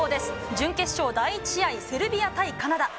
準決勝第１試合、セルビア対カナダ。